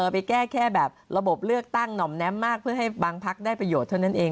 ไปแก้แค่แบบระบบเลือกตั้งหน่อมแน้มมากเพื่อให้บางพักได้ประโยชน์เท่านั้นเอง